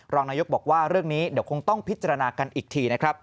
รองนายกบอกว่าเรื่องนี้เดี๋ยวคงต้องพิจารณากันอีกทีนะครับ